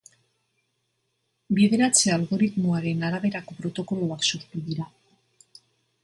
Bideratze algoritmoaren araberako protokoloak sortu dira.